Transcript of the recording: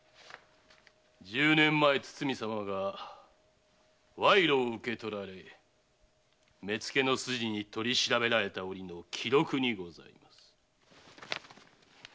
十年前堤様が賄賂を受け取られ目付の筋に取り調べられた折の記録にございます。